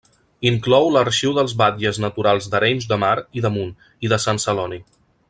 Inclou l'arxiu dels batlles naturals d'Arenys de Mar i de Munt, i de Sant Celoni.